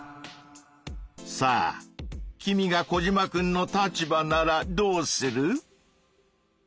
さあ君がコジマくんの立場ならどうする？